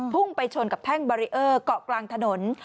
ไปชนกับแท่งบารีเออร์เกาะกลางถนน